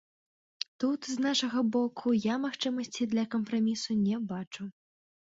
Тут з нашага боку я магчымасці для кампрамісу не бачу.